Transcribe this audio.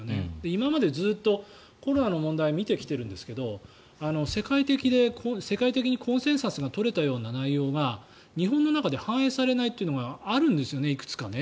今までずっとコロナの問題を見てきているんですが世界的にコンセンサスが取れたような内容が日本の中で反映されないというのがあるんですよね、いくつか。